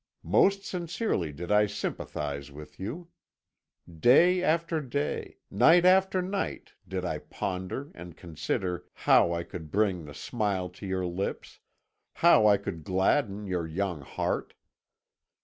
Most sincerely did I sympathise with you. Day after day, night after night, did I ponder and consider how I could bring the smile to your lips, how I could gladden your young heart.